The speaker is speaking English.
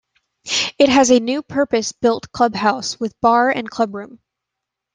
It has a new purpose built clubhouse with bar and clubroom.